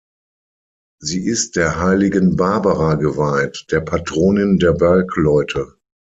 Sie ist der heiligen Barbara geweiht, der Patronin der Bergleute.